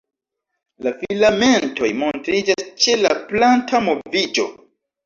La filamentoj montriĝas ĉe la planta moviĝo.